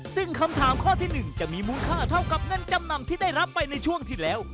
ซึ่งคำถามข้อที่๑จะมีมูลค่าเท่ากับเงินจำนำที่ได้รับไปในช่วงที่แล้ว